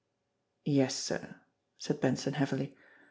"Yes, sir," said Benson heavily.